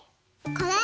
これ！